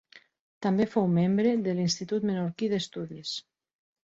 També fou membre de l'Institut Menorquí d'Estudis.